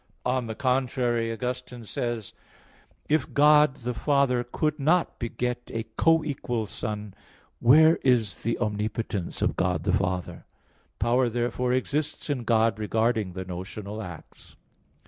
On the contrary, Augustine says (Contra Maxim. iii, 1): "If God the Father could not beget a co equal Son, where is the omnipotence of God the Father?" Power therefore exists in God regarding the notional acts.